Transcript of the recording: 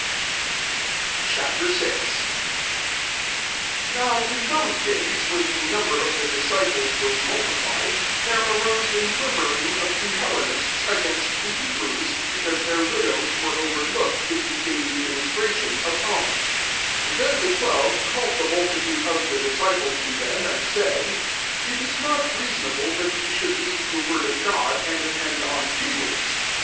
Ch. VI. 1 NOW in those days, when the number of the disci ples was multiplied, there arose a murmuring of the Hellenists* against the Hebrews, because their widows were overlooked in the daily ministration ofalnu* 2 Then the twelve called the multitude of the disciples to them, and said, << It is not rea sonable that we should leare the word of God, and attend on tables.